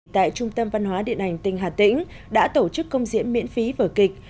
tại trung tâm văn hóa điện ảnh tỉnh hà tĩnh đã tổ chức công diễn miễn phí vở kịch